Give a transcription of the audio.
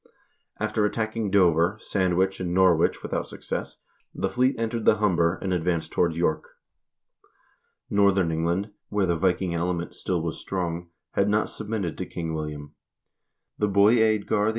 After attacking Dover, Sand wich, and Norwich without success, the fleet entered the Humber, and advanced toward York. Northern England, where the Viking element still was strong, had not submitted to King William. The boy Eadgar the .